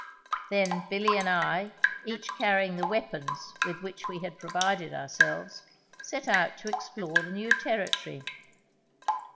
Then Billy and I, each carrying the weapons with which we had provided ourselves, set out to explore the new territory.